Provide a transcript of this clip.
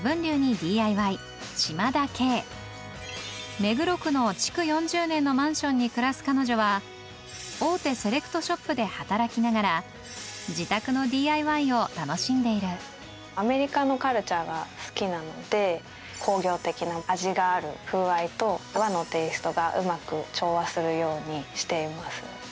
目黒区の築４０年のマンションに暮らす彼女は大手セレクトショップで働きながら自宅のＤＩＹを楽しんでいるアメリカのカルチャーが好きなので工業的な味がある風合いと和のテイストがうまく調和するようにしています。